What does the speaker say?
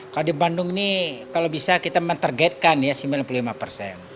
kalau di bandung ini kalau bisa kita mentargetkan ya sembilan puluh lima persen